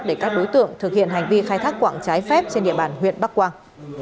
để các đối tượng thực hiện hành vi khai thác quảng trái phép trên địa bàn huyện bắc quang